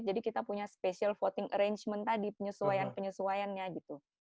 jadi kita punya special voting arrangement tadi penyesuaian penyesuaiannya gitu